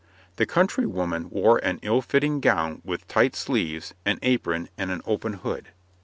The countrywoman wore an ill fitting gown with tight sleeves, an apron, and an open hood.